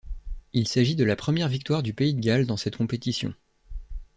Il s'agit de la première victoire du pays de Galles dans cette compétition.